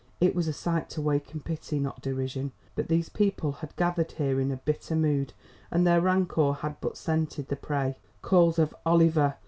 It was a sight to waken pity not derision. But these people had gathered here in a bitter mood and their rancour had but scented the prey. Calls of "Oliver!"